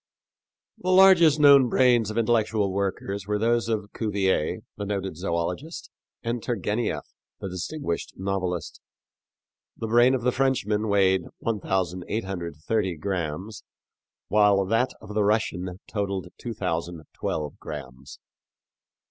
The largest known brains of intellectual workers were those of Cuvier, the noted zoölogist, and Turgenieff, the distinguished novelist. The brain of the Frenchman weighed 1830 grams, while that of the Russian totaled 2012 grams.